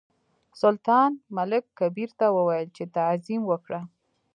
سلطان ملک کبیر ته وویل چې تعظیم وکړه.